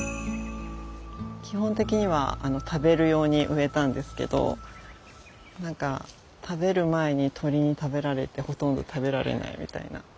基本的には食べる用に植えたんですけどなんか食べる前に鳥に食べられてほとんど食べられないみたいな。